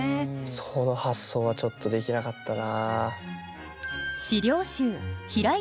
その発想はちょっとできなかったな。